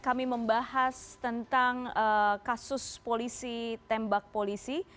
kami membahas tentang kasus polisi tembak polisi